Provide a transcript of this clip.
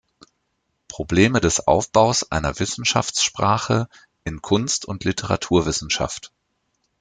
Probleme des Aufbaus einer Wissenschaftssprache in Kunst- und Literaturwissenschaft".